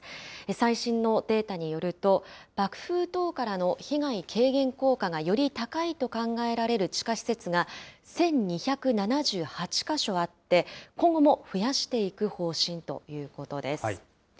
最新のデータによると、爆風等からの被害軽減効果がより高いと考えられる地下施設が１２７８か所あって、今後も増やしていく方針ということです。